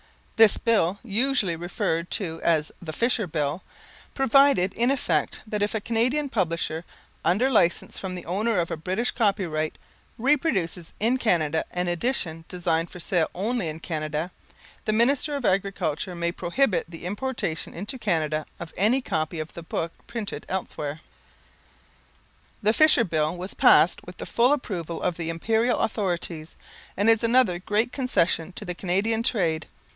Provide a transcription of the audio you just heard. This Bill, usually referred to as the Fisher Bill, provides in effect that if a Canadian publisher, under license from the owner of a British copyright, reproduces in Canada an edition designed for sale only in Canada, the Minister of Agriculture may prohibit the importation into Canada of any copy of the book printed elsewhere. The Fisher Bill was passed with the full approval of the Imperial authorities, and is another great concession to the Canadian trade.